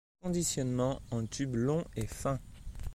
Conditionnement en tube longs et fins.